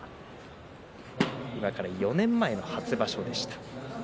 今から４年前の初場所でした。